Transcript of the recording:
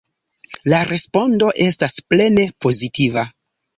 La respondo estas plene pozitiva.